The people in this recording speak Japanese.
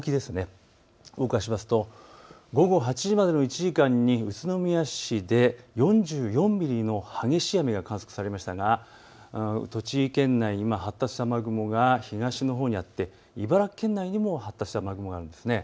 動かしますと午後８時までの１時間に宇都宮市で４４ミリの激しい雨が観測されましたが栃木県内、今発達した雨雲が東のほうにあって茨城県内にも発達した雨雲があるんです。